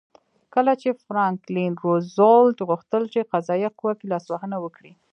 کله چې فرانکلین روزولټ غوښتل په قضایه قوه کې لاسوهنه وکړي.